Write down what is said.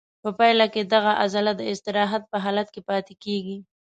په پایله کې دغه عضله د استراحت په حالت کې پاتې کېږي.